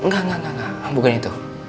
gak bukan itu